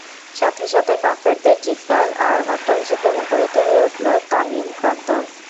সাথে সাথে কাফেরদের চিৎকার আর অট্টহাসিতে মুখরিত হয়ে উঠল তানঈম প্রান্তর।